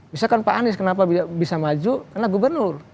misalkan pak anies kenapa bisa maju karena gubernur